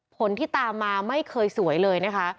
ผลที่ตามมาไม่เคยสวยเลยนะคะ